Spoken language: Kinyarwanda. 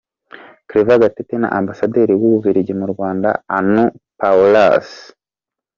Claver Gatete na Ambasaderi w’u Bubiligi mu Rwanda Arnout Pauwels.